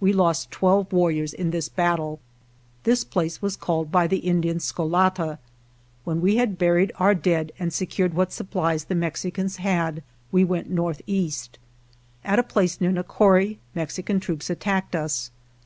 We lost twelve warriors in this battle. This place was called by the Indians " Sko la ta." When we had buried our dead and secured what supplies the Mexicans had, 102 HEAVY FIGHTING we went northeast. At a place near Nacori Mexican troops attacked us.